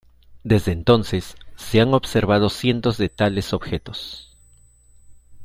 Desde entonces, se han observado cientos de tales objetos.